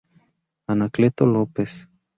Anacleto López.